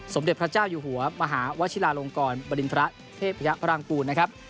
สมเด็จพระเจ้าอยู่หัวมหาวชิลาโรงกรบรินทรเทพยพรางกูล